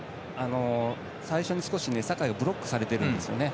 最初に少し酒井がブロックされているんです。